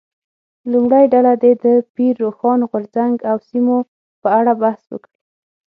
لومړۍ ډله دې د پیر روښان غورځنګ او سیمو په اړه بحث وکړي.